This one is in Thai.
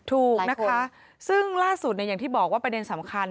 ถูกนะคะซึ่งล่าสุดอย่างที่บอกว่าประเด็นสำคัญ